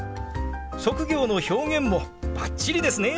職業の表現もバッチリですね！